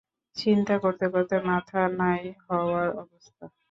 চিন্তা করতে করতে মাথা নাই হওয়ার অবস্থা।